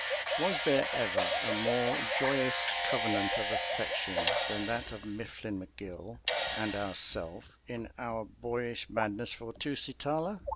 Was there ever a more joyous covenant of affection than that of Mifflin McGill and ourself in our boyish madness for Tusitala?